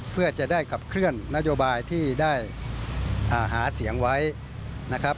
เพื่อจะได้ขับเคลื่อนนโยบายที่ได้หาเสียงไว้นะครับ